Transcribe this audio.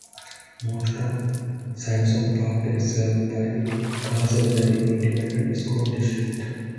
Most of Sansom Park is served by the Castleberry Independent School District.